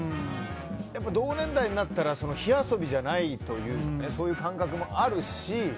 同年代になったら火遊びじゃないといいか感覚もあるし。